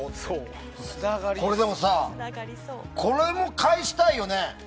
これ、でもさこれも返したいよね。